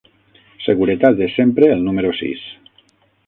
Seguretat és sempre el número sis.